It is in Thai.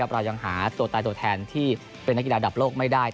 เรายังหาตัวตายตัวแทนที่เป็นนักกีฬาระดับโลกไม่ได้